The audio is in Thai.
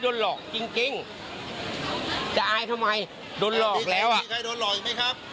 หลอกจริงจริงจะอายทำไมโดนหลอกแล้วอ่ะมีใครโดนหลอกอีกไหมครับ